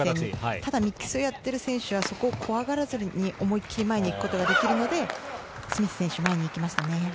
ただミックスをやっている選手はそこを怖がらずに思い切り前に来ることができるのでスミス選手、前にいきましたね。